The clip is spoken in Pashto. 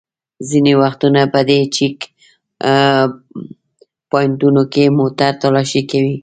ځینې وختونه په دې چېک پواینټونو کې موټر تالاشي کوي.